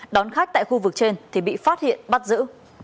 đón khách tại khu vực trên thì bị phát hiện bắt giữ